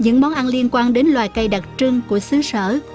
những món ăn liên quan đến loài cây đặc trưng của xứ sở